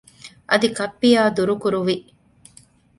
އަދި ކައްޕިއާ ދުރުކުރުވި